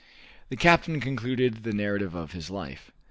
The captain concluded the narrative of his life.